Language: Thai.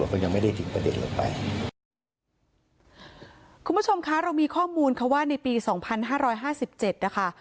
คุณผู้ชมค่ะเรามีข้อมูลคือว่าในปี๒๕๕๗นะคะ